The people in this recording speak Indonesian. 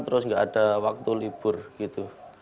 terus nggak ada waktu libur gitu